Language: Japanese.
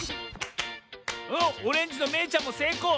おっオレンジのめいちゃんもせいこう！